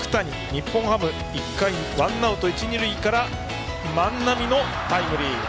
日本ハム１回ワンアウト一塁二塁から万波のタイムリー。